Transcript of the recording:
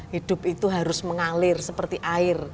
hidup itu harus mengalir seperti air